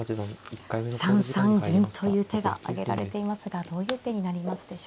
３三銀という手が挙げられていますがどういう手になりますでしょうか。